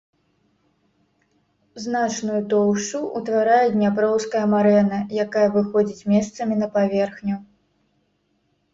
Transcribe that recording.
Значную тоўшчу ўтварае дняпроўская марэна, якая выходзіць месцамі на паверхню.